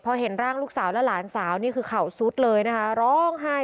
พอเห็นร่างลูกสาวและหลานสาวนี่คือเข่าซุดเลยนะคะร้องไห้